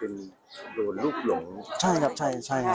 น่าจะโดนลุกหลง